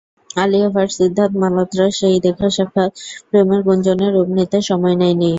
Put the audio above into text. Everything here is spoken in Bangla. আলিয়া ভাট-সিদ্ধার্থ মালহোত্রার সেই দেখা-সাক্ষাৎ প্রেমের গুঞ্জনে রূপ নিতে সময় নেয়নি।